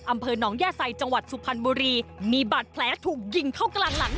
อำเภอหนองย่าไซจังหวัดสุพรรณบุรีมีบาดแผลถูกยิงเข้ากลางหลัง